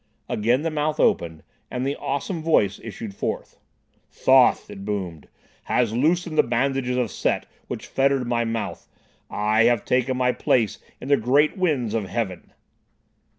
Again the mouth opened and the awesome voice issued forth. "Thoth," it boomed, "has loosened the bandages of Set which fettered my mouth. I have taken my place in the great winds of heaven."